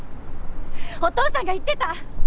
お父さんが言ってた。